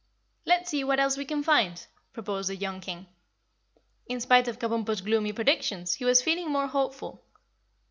"Let's see what else we can find," proposed the young King. In spite of Kabumpo's gloomy predictions, he was feeling more hopeful.